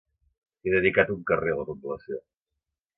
Té dedicat un carrer a la població.